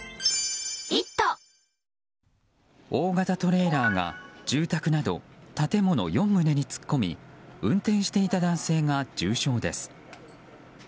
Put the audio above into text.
大型トレーラーが、住宅など建物４棟に突っ込み運転していた男性が重傷です。